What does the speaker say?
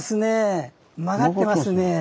曲がってますね。